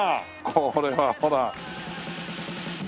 これはほら。